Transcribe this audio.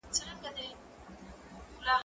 زه اوس د لوبو لپاره وخت نيسم؟